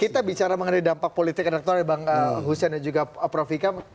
kita bicara mengenai dampak politik rektor bang husey dan juga prof vika